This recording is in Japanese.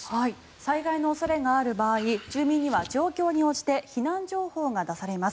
災害の恐れがある場合住民には状況に応じて避難情報が出されます。